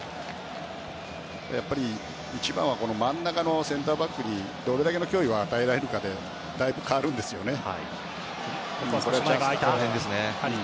やっぱり、一番は真ん中のセンターバックにどれだけの脅威を与えられるかでだいぶ変わるんですよね。